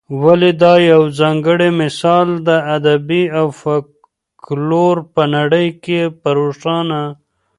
ولي دا یوځانګړی مثال د ادب او فلکلور په نړۍ کي په روښانه